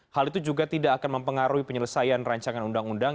hal itu juga tidak akan mempengaruhi penyelesaian rancangan undang undang